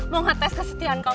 mau ngetes kesetiaan kamu